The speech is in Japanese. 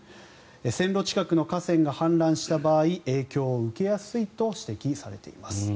線路近くの河川が氾濫した場合影響を受けやすいと指摘されています。